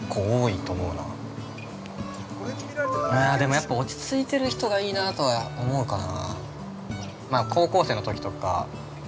◆やっぱ落ち着いてる人がいいなとは思うかな。